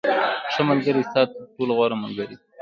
• ښه ملګری ستا تر ټولو غوره ملګری دی.